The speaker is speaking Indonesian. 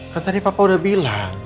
kan tadi papa udah bilang